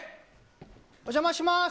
お邪魔します。